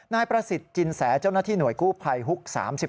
นายประสิทธิ์จินแสเจ้าหน้าที่หน่วยกู้ภัยฮุก๓๑